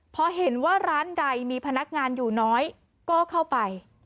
พอเห็นว่าร้านใดมีพนักงานอยู่น้อยก็เข้าไป